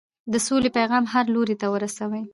د سولې پیغام هر لوري ته ورسوئ.